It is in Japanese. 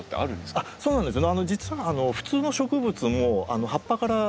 あっそうなんですね。